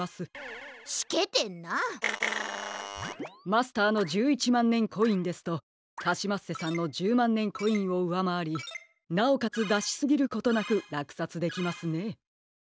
マスターの１１まんねんコインですとカシマッセさんの１０まんねんコインをうわまわりなおかつだしすぎることなくらくさつできますね。